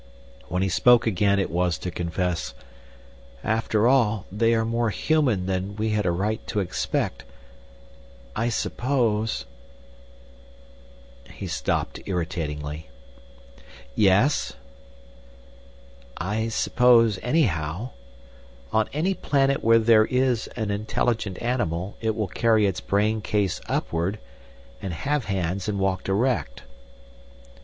When he spoke again it was to confess, "After all, they are more human than we had a right to expect. I suppose—" He stopped irritatingly. "Yes?" "I suppose, anyhow—on any planet where there is an intelligent animal—it will carry its brain case upward, and have hands, and walk erect."